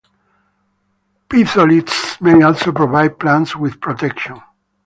Phytoliths may also provide plants with protection.